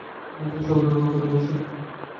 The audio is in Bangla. মাঝিরা সপরিবারে নৌকাতেই বাস করে।